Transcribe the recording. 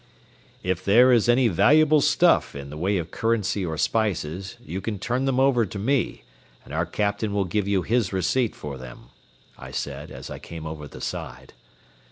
"If there is any valuable stuff in the way of currency or spices, you can turn them over to me, and our captain will give you his receipt for them," I said, as I came over the side.